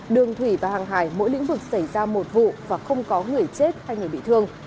đường thủy và hàng hải mỗi lĩnh vực xảy ra một vụ và không có người chết hay người bị thương